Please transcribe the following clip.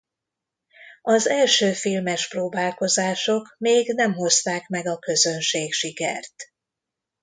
Az első filmes próbálkozások még nem hozták meg a közönségsikert.